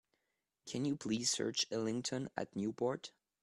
Can you please search Ellington at Newport?